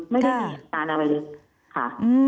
ไม่ได้มีอาการอะไรเลยค่ะ